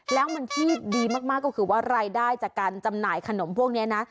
แล้วมันที่ดีมากก็คือว่ารายได้จากการจำหน่ายขนมพวกนี้นะ